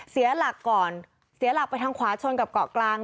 เสียหลักก่อนเสียหลักไปทางขวาชนกับเกาะกลาง